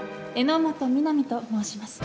榎本美波と申します。